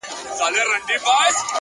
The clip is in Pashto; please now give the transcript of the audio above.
• کاينات راڅه هېريږي ورځ تېرېږي؛